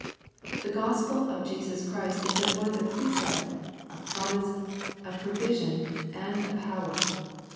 The Gospel of Jesus Christ is at once a precept, a promise, a provision, and a power.